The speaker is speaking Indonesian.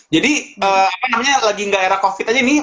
jadi apa namanya lagi gak era covid aja nih